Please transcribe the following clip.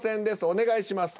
お願いします。